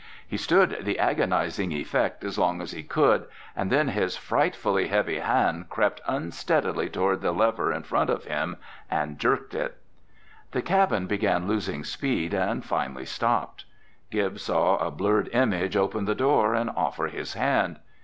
He stood the agonizing effect as long as he could, and then his frightfully heavy hand crept unsteadily toward the lever in front of him and jerked it. The cabin began losing speed and finally stopped. Gib saw a blurred image open the door and offer his hand.